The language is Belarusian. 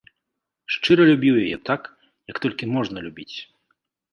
Шчыра любіў яе, так, як толькі можна любіць.